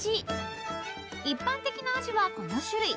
［一般的なアジはこの種類］